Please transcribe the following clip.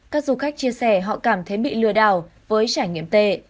các du khách chia sẻ họ cảm thấy bị lừa đảo với trải nghiệm tệ